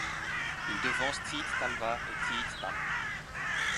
Il devance Tiit Talvar et Tiit Tamm.